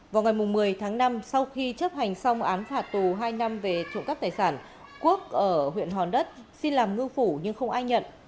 vào ngày một mươi tháng năm sau khi chấp hành xong án phạt tù hai năm về trộm cắp tài sản quốc ở huyện hòn đất xin làm ngư phủ nhưng không ai nhận